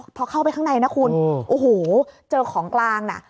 พอเข้าไปข้างในนะคุณโอ้โหเจอของกลางน่ะ